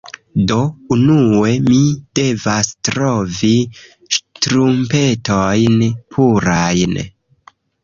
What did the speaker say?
Do, unue mi devas trovi ŝtrumpetojn purajn